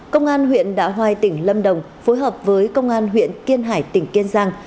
công an huyện đạ hoài tỉnh lâm đồng phối hợp với công an huyện kiên hải tỉnh kiên giang